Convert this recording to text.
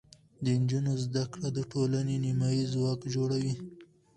د نجونو زده کړه د ټولنې نیمایي ځواک جوړوي.